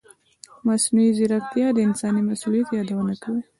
مصنوعي ځیرکتیا د انساني مسؤلیت یادونه کوي.